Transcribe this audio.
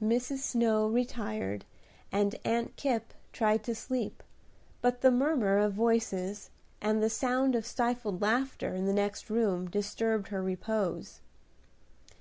Mrs. Snow retired, and Aunt Kipp tried to sleep; but the murmur of voices, and the sound of stifled laughter in the next room disturbed her repose.